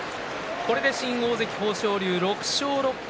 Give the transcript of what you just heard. これで新大関豊昇龍、６勝６敗。